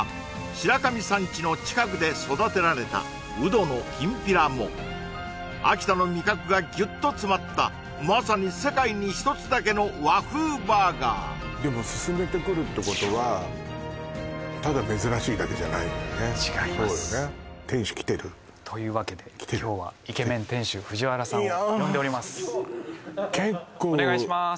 白神山地の近くで育てられたうどのきんぴらも秋田の味覚がギュッと詰まったまさに世界に一つだけの和風バーガーでも薦めてくるってことはただ珍しいだけじゃないのよね違います店主来てる？というわけで今日はイケメン店主藤原さんをいや呼んでおりますお願いします